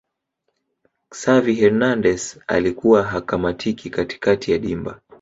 xavi hernandez alikuwa hakamatiki katikati ya dimba